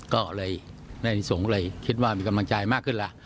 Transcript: ก็เลยอนิสงฆ์เลยคิดว่ามีกำลังจ่ายมากขึ้นแล้ว